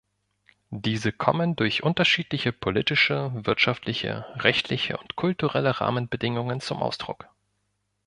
Diese kommen durch unterschiedliche politische, wirtschaftliche, rechtliche und kulturelle Rahmenbedingungen zum Ausdruck.